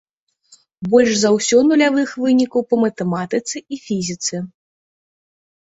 Больш за ўсё нулявых вынікаў па матэматыцы і фізіцы.